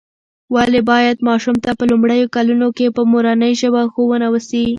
ولې باید ماشوم ته په لومړیو کلونو کې په مورنۍ ژبه ښوونه وسي؟